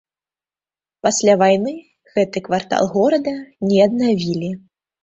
Пасля вайны гэты квартал горада не аднавілі.